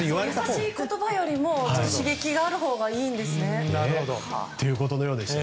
優しい言葉よりも刺激があるほうがいいんですね。ということのようでした。